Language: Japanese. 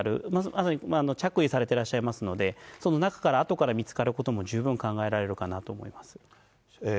まさに着衣されてらっしゃいますので、その中から、あとから見つかることも十分考えられるかなと思います。